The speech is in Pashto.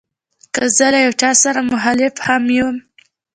که زه له یو چا سره مخالف هم یم.